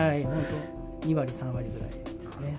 ２割、３割ぐらいですね。